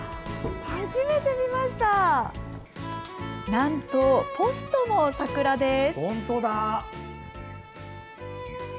なんと、ポストも桜です。